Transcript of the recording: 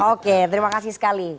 oke terima kasih sekali